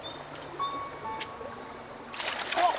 あっ！